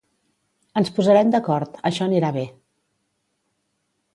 Ens posarem d’acord, això anirà bé.